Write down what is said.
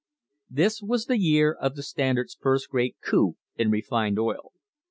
This was the year of the Standard's first great coup in refined oil.